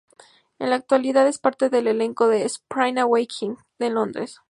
En la actualidad es parte del elenco de "Spring Awakening" en Londres.